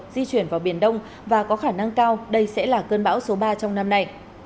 di chuyển vào biển đông và có khả năng cao đây sẽ là cơn bão số ba trong năm nay